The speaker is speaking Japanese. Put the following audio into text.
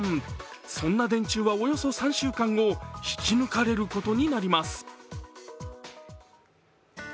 そんな電柱は、およそ３週間後引き抜かれることになります。